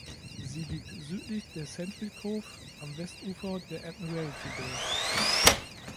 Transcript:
Sie liegt südlich der Sentry Cove am Westufer der Admiralty Bay.